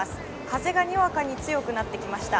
風がにわかに強くなってきました。